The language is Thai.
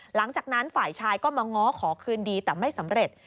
หลังจากนั้นฝ่ายชายก็มาง้อขอคืนดีแต่ไม่สำเร็จ